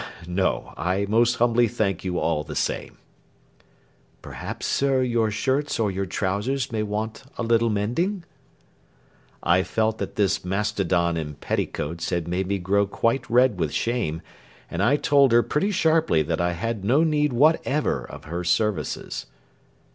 "No, I most humbly thank you all the same." "Perhaps, sir, your shirts or your trousers may want a little mending?" I felt that this mastodon in petticoats had made me grow quite red with shame, and I told her pretty sharply that I had no need whatever of her services.